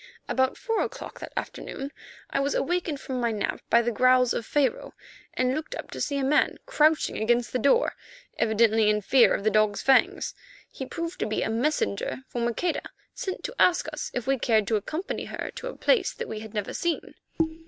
About four o'clock of that afternoon I was awakened from my nap by the growls of Pharaoh, and looked up to see a man crouching against the door, evidently in fear of the dog's fangs. He proved to be a messenger from Maqueda, sent to ask us if we cared to accompany her to a place that we had never seen.